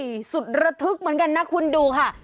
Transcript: โอ๋ฮุยสุดระทุกข์เหมือนกันนะคุณดูค่ะ